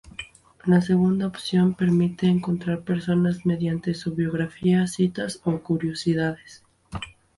La segunda opción permite encontrar personas mediante su biografía, citas o curiosidades.